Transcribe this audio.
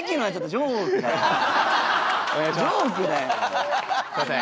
ジョークだよ